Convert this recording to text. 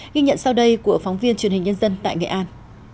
ghi nhận sau đây của phóng viên truyền hình nhân dân tại nghệ an